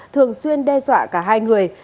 thường xuyên đe dọa cả hai người